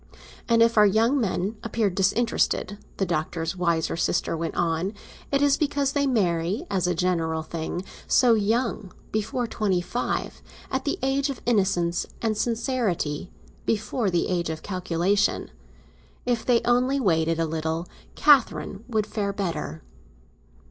And if our young men appear disinterested," the Doctor's wiser sister went on, "it is because they marry, as a general thing, so young; before twenty five, at the age of innocence and sincerity, before the age of calculation. If they only waited a little, Catherine would fare better."